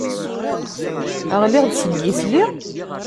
Ɣliɣ-d seg yisili?